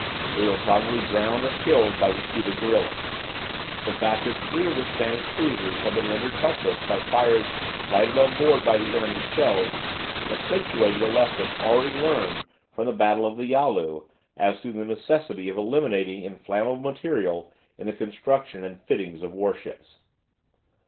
They were probably drowned or killed by the Cuban guerillas. The fact that three of the Spanish cruisers had been rendered helpless by fires lighted on board by the enemy's shells accentuated the lesson already learned from the battle of the Yalu as to the necessity of eliminating inflammable material in the construction and fittings of warships.